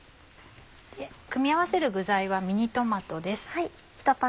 組み合わせる具材はミニトマトです。